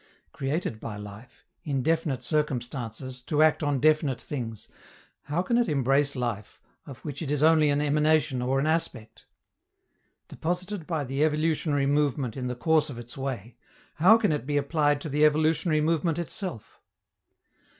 Created by life, in definite circumstances, to act on definite things, how can it embrace life, of which it is only an emanation or an aspect? Deposited by the evolutionary movement in the course of its way, how can it be applied to the evolutionary movement itself?